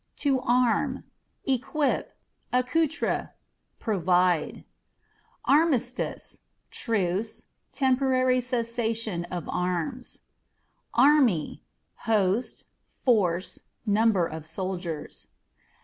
To Arm â€" equip, accoutre, provide. Armistice â€" truce ; temporary cessation of arms. Army â€" host, force, number of soldiers.